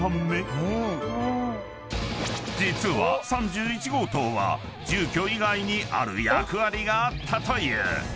［実は３１号棟は住居以外にある役割があったという］